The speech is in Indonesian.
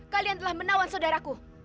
kalian telah menawan saudaraku